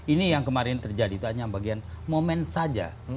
ini yang kemarin terjadi itu hanya bagian momen saja